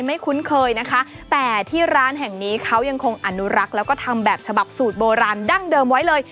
คุ้นเคยนะคะแต่ที่ร้านแห่งนี้เขายังคงอนุรักษ์แล้วก็ทำแบบฉบับสูตรโบราณดั้งเดิมไว้เลย